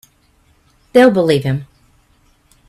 They'll believe him.